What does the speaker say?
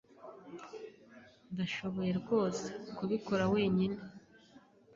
Ndashoboye rwose kubikora wenyine.